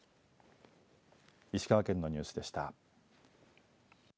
石川県のニュースでした。